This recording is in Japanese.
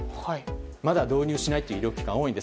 まだ、導入しない医療機関が多いんです。